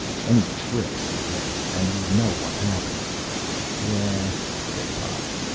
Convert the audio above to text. "Any tricks," he rasped, "and you know what happens!" "Yeah," said Pop.